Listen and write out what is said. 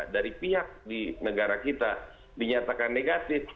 dari pihak di negara kita dinyatakan negatif